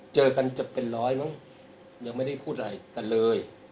เจอกันจะเป็นร้อยมั้งยังไม่ได้พูดอะไรกันเลย